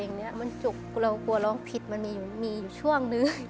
นับหน้ากว้นลองผิดปรียิ่งช่วงหนึ่ง